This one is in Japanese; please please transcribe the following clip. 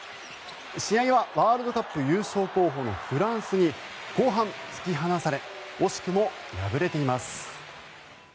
試合はワールドカップ優勝候補のフランスに後半、突き放され惜しくも敗れています。